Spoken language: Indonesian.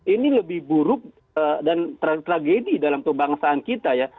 ini lebih buruk dan tragedi dalam kebangsaan kita ya